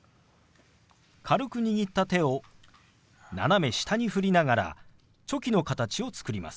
軽く握った手を斜め下に振りながらチョキの形を作ります。